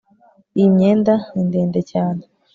Iyi myenda ni ndende cyane